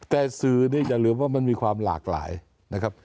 แต่สื่อนี่อย่าลืมว่ามันมีความหลากหลายนะครับ